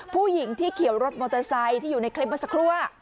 ผู้หญิงที่เขียวรถมอเตอร์ไซค์ที่อยู่ในคลิปเมื่อสักครู่